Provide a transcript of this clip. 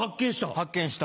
発見した。